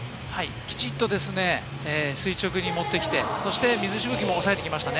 きちんと垂直に持ってきて、そして水しぶきも抑えてきましたね。